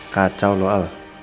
kacau loh al